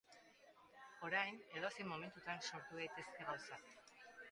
Orain, edozein momentutan sortu daitezke gauzak.